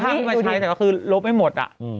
แต่ก็คือลบไม่หมด